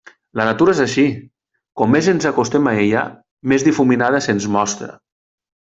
La natura és així, com més ens acostem a ella més difuminada se'ns mostra.